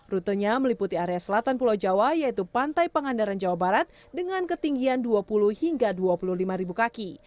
rutenya meliputi area selatan pulau jawa yaitu pantai pangandaran jawa barat dengan ketinggian dua puluh hingga dua puluh lima kaki